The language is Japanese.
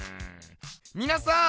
「みなさん」